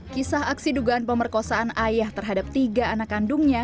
kisah aksi dugaan pemerkosaan ayah terhadap tiga anak kandungnya